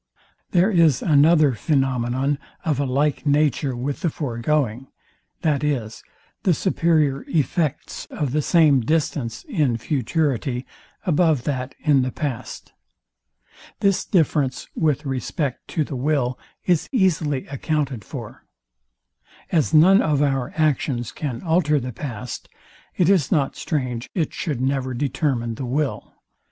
There is another phænomenon of a like nature with the foregoing, viz, the superior effects of the same distance in futurity above that in the past. This difference with respect to the will is easily accounted for. As none of our actions can alter the past, it is not strange it should never determine the will.